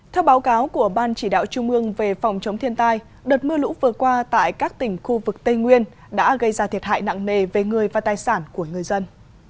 theo báo cáo của ban chỉ đạo trung ương về phòng chống thiên tai đợt mưa lũ vừa qua tại các tỉnh khu vực tây nguyên đã gây ra thiệt hại nặng nề về người và tài sản của người dân